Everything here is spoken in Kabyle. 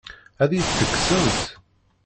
Ad iyi-tt-tekksemt?